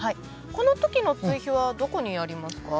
この時の追肥はどこにやりますか？